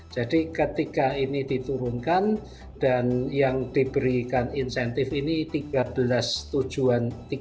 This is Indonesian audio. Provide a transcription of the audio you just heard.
jadi ketika ini diturunkan dan yang diberikan insentif ini tiga belas tujuan